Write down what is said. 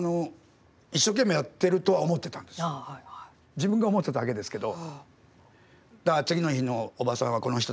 自分が思ってただけですけど。